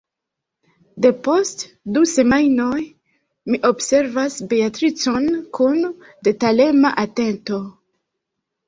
Depost du semajnoj mi observas Beatricon kun detalema atento.